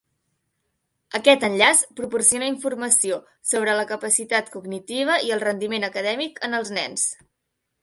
Aquest enllaç proporciona informació sobre la capacitat cognitiva i el rendiment acadèmic en els nens.